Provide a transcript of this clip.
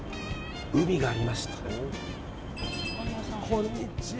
こんにちは。